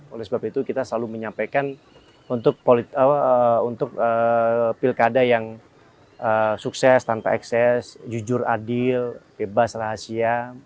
oleh sebab itu kita selalu menyampaikan untuk pilkada yang sukses tanpa ekses jujur adil bebas rahasia